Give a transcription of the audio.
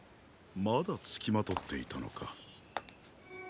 まだつきまとっていたのか。